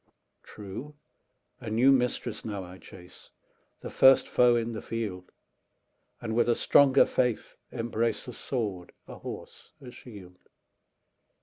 True, a new mistress now I chase, 5 The first foe in the field; And with a stronger faith embrace A sword, a horse, a shield.